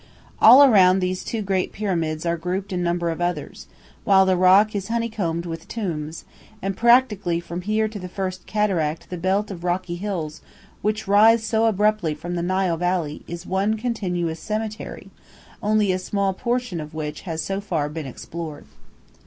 All around these two great pyramids are grouped a number of others, while the rock is honeycombed with tombs, and practically from here to the first cataract the belt of rocky hills which rise so abruptly from the Nile Valley is one continuous cemetery, only a small portion of which has so far been explored.